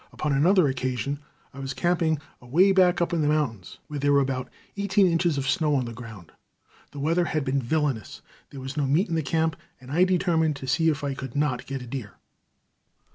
Upon another occasion I was camping away back up in the mountains, where there were about eighteen inches of snow on the ground. The weather had been villainous; there was no meat in the camp, and I determined to see if I could not get a deer.